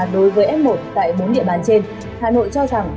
đối với f một tại bốn địa bàn trên hà nội cho rằng